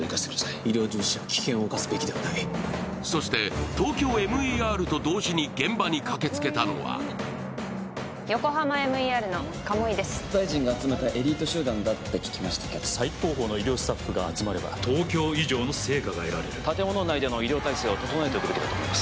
医療従事者は危険を冒すべきではないそしてＴＯＫＹＯＭＥＲと同時に現場に駆けつけたのはＹＯＫＯＨＡＭＡＭＥＲの鴨居です・大臣が集めたエリート集団だって聞きましたけど最高峰の医療スタッフが集まれば東京以上の成果が得られる建物内での医療体制を整えておくべきだと思います